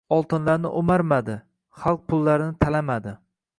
Oltinlarni oʻmarmadi, xalqni pullarini talamadi.